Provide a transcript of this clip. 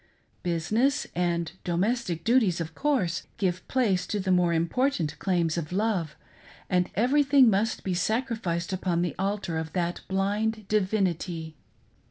Business, and domestic duties, of course, give place to the more important claims of love, and every thing must be sacrificed upon the altar of that blind divinity.